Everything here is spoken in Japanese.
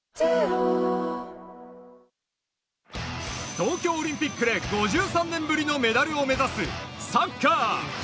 東京オリンピックで５３年ぶりのメダルを目指すサッカー。